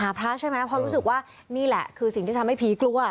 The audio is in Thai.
พระใช่ไหมเพราะรู้สึกว่านี่แหละคือสิ่งที่ทำให้ผีกลัว